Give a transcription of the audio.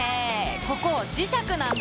ここ磁石なんだ！